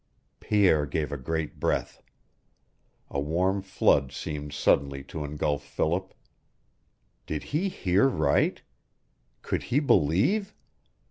Pierre gave a great breath. A warm flood seemed suddenly to engulf Philip. Did he hear right? Could he believe?